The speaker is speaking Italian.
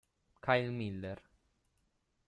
Kyle Miller